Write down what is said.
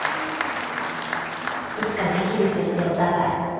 いつかできるといいねお互い。